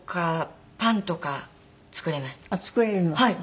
はい。